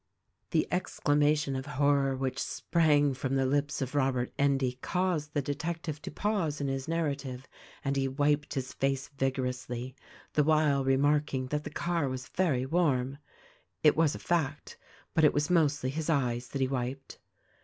The exclamation of horror which sprang from the lips of Robert Endy caused the detective to pause in his narra tive, and he wiped his face vigorously — the while remarking that the car was very warm. It was a fact; but it was mostly his eyes that he wiped.